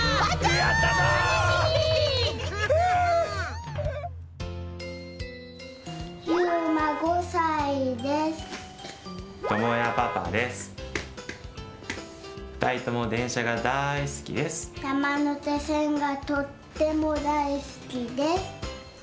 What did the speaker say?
やまのてせんがとってもだいすきです。